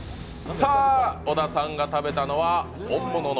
小田さんが食べたのは本物の